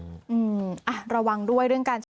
อืมอ่ะระวังด้วยเรื่องการ